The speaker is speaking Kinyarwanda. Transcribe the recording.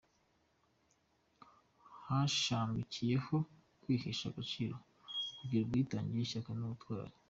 Hashamikiyeho kwihesha agaciro, kugira ubwitange, ishyaka n’ubutwari.